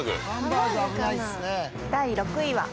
第６位は。